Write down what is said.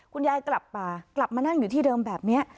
คุณยายกลับป่ากลับมานั่งอยู่ที่เดิมแบบนี้